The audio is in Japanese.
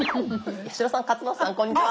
八代さん勝俣さんこんにちは。